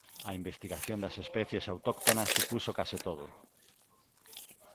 A investigación das especies autóctonas supuxo case todo.